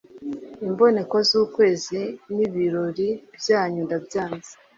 Imboneko z’ukwezi n’ibirori byanyu ndabyanze,